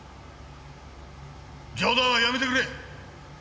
冗談はやめてくれ！